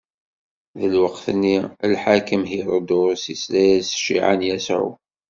Di lweqt-nni, lḥakem Hiṛudus isla s cciɛa n Yasuɛ.